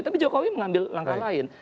tapi jokowi mengambil langkah lain